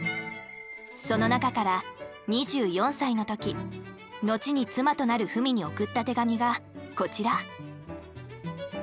その中から２４歳の時後に妻となる文に送った手紙がこちら。